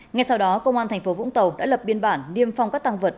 ngay sau đó công an tp vũng tàu đã lập biên bản niêm phong các tàng vật